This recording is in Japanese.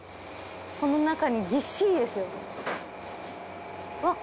この中にぎっしりですよ。